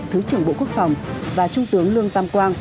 thứ trưởng bộ quốc phòng và trung tướng lương tam quang